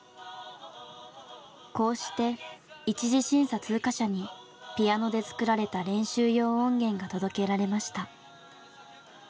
こうして１次審査通過者にピアノで作られた練習用音源が届けられました。